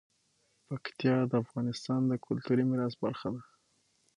پکتیا د افغانستان د کلتوري میراث برخه ده.